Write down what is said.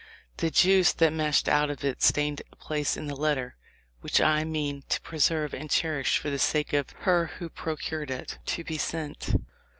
The juice that mashed out of it stained a place in the letter, which I mean to preserve and cherish for the sake of her who procured it to be sent.